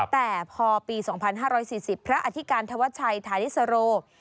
แต่พอปี๒๕๔๐พระอธิการธวัชชัยธาริสโร